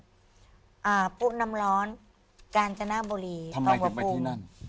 ค่ะพูนำร้อนการชนะโบรีทำไมจึงไปที่นั่น